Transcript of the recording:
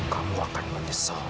kamu akan menyesal